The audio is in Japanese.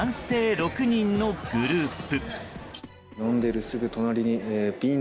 ６人のグループ。